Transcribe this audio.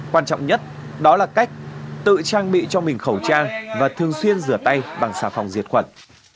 quan trọng nhất đó là cách tự trang bị cho mình khẩu trang và thường xuyên rửa tay bằng xà phòng diệt khuẩn